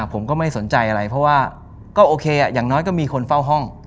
ผมก็ไม่สนใจอะไรเพราะว่าก็โอเคอย่างน้อยก็มีคนเฝ้าห้อง